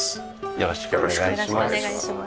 よろしくお願いします。